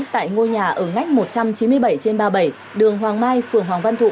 tại ngôi nhà ở ngách một trăm chín mươi bảy trên ba mươi bảy đường hoàng mai phường hoàng văn thụ